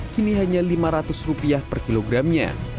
kini hanya rp lima ratus per kilogramnya